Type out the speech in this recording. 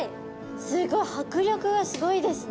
すごい迫力がすごいですね。